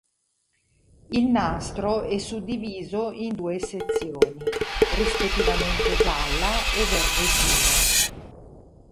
Il nastro è suddiviso in due sezioni, rispettivamente gialla e verde scuro.